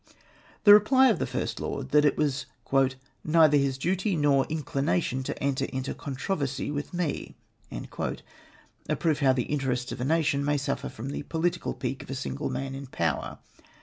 The reply of the First Lord was that it was " neither his duty nor his inclination to enter into controversy with me!'' A proof Iioav the interests of a nation may suffer from the political pique of a single man in power.